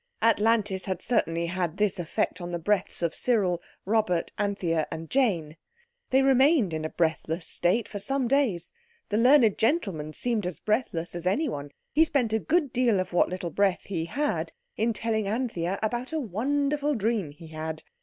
Atlantis had certainly this effect on the breaths of Cyril, Robert, Anthea, and Jane. They remained in a breathless state for some days. The learned gentleman seemed as breathless as anyone; he spent a good deal of what little breath he had in telling Anthea about a wonderful dream he had.